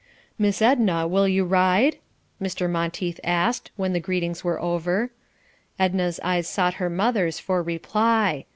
"Miss Edna, will you ride?" Mr. Monteith asked when the greetings were over. Edna's eyes sought her mother's for reply.